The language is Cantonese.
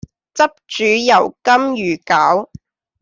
汁煮油甘魚鮫